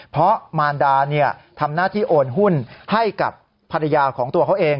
เพราะมารดาทำหน้าที่โอนหุ้นให้กับภรรยาของตัวเขาเอง